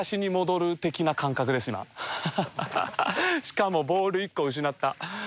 しかもボール１個失った。